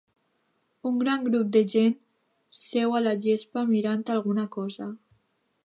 Un gran grup de gent seu a la gespa mirant alguna cosa